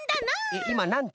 えっいまなんて？